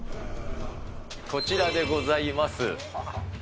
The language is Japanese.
こちらでございます。